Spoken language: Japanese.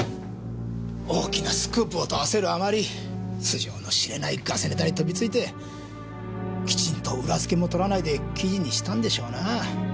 大きなスクープをと焦るあまり素性の知れないガセネタに飛びついてきちんと裏付けも取らないで記事にしたんでしょうなぁ。